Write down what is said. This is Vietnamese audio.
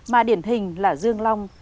mà điển hình là dương long